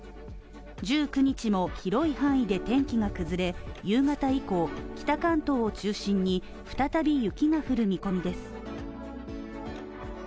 １９日にも広い範囲で天気が崩れ、夕方以降北関東を中心に再び雪が降る見込みです。